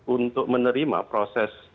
untuk menerima proses